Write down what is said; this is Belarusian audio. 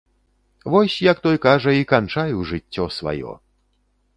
Вось, як той кажа, і канчаю жыццё сваё!